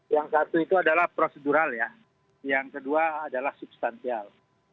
yang satu itu adalah prosedural ya yang kedua adalah substansial